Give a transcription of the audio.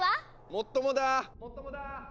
・もっともだ！